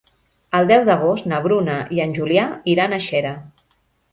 El deu d'agost na Bruna i en Julià iran a Xera.